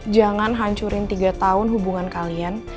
jangan hancurin tiga tahun hubungan kalian